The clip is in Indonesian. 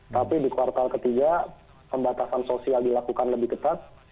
tapi di kuartal ketiga pembatasan sosial dilakukan lebih ketat